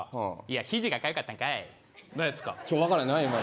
肘がかゆかったんかい。